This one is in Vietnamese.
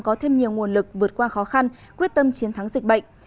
có thêm nhiều nguồn lực vượt qua khó khăn quyết tâm chiến thắng dịch bệnh